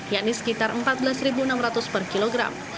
yakni sekitar rp empat belas enam ratus per kilogram